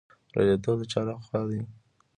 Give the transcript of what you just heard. بریالیتوب د چا لخوا دی؟